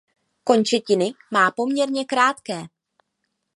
Končetiny má poměrně krátké.